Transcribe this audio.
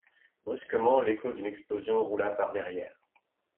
Brusquement, l'écho d'une explosion roula par derrière.